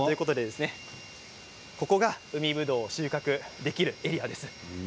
ここが海ぶどうを収穫できるエリアです。